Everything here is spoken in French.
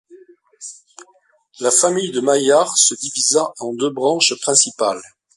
La famille de Maillard se divisa en deux branches principales.